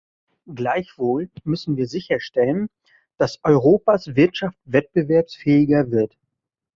Gleichwohl müssen wir sicherstellen, dass Europas Wirtschaft wettbewerbsfähiger wird.